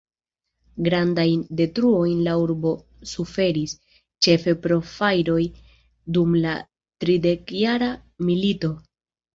Grandajn detruojn la urbo suferis, ĉefe pro fajroj, dum la Tridekjara milito.